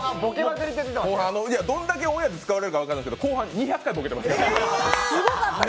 どんだけオンエアで使われるか分からないですが後半２００回ボケてますから。